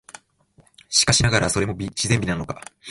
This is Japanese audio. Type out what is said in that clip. しかしながら、それも自然美なのか、